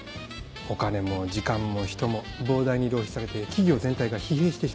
お金も時間も人も膨大に浪費されて企業全体が疲弊してしまう。